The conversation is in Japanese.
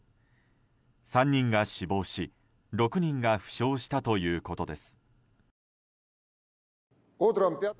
３人が死亡し６人が負傷したということです。